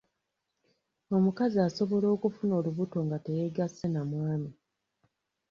Omukazi asobola okufuna olubuto nga teyegasse na mwami.